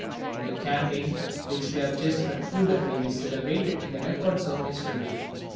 The campaign which we have just concluded will be celebrated in the records of history.